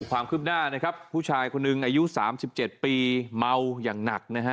ความคืบหน้านะครับผู้ชายคนหนึ่งอายุ๓๗ปีเมาอย่างหนักนะฮะ